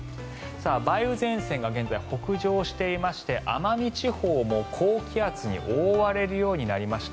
梅雨前線が現在、北上していまして奄美地方も高気圧に覆われるようになりました。